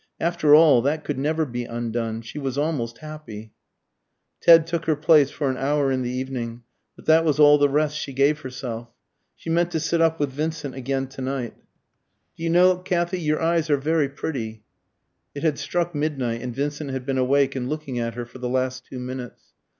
After all, that could never be undone. She was almost happy. Ted took her place for an hour in the evening, but that was all the rest she gave herself. She meant to sit up with Vincent again to night. "Do you know, Kathy, your eyes are very pretty." It had struck midnight, and Vincent had been awake and looking at her for the last two minutes.